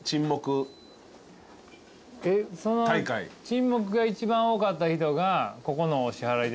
沈黙が一番多かった人がここのお支払いでしたっけ？